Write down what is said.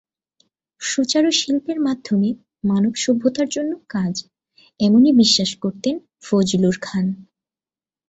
সুচারু শিল্পের মাধ্যমে মানব সভ্যতার জন্য কাজ—এমনই বিশ্বাস করতেন ফজলুর খান।